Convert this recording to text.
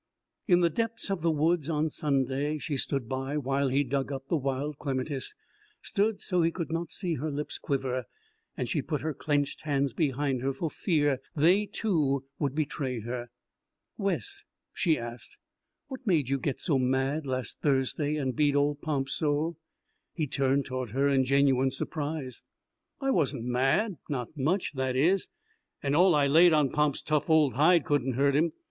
In the depths of the woods, on Sunday, she stood by while he dug up the wild clematis stood so he could not see her lips quiver and she put her clenched hands behind her for fear they, too, would betray her. "Wes," she asked, "what made you get so mad last Thursday and beat old Pomp so?" He turned toward her in genuine surprise. "I wasn't mad; not much, that is. And all I laid on Pomp's tough old hide couldn't hurt him.